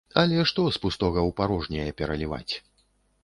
Але што з пустога ў парожняе пераліваць!